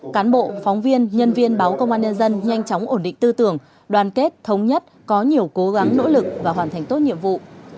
cán bộ phóng viên nhân viên báo công an nhân dân nhanh chóng ổn định tư tưởng đoàn kết thống nhất có nhiều cố gắng nỗ lực và hoàn thành tốt nhiệm vụ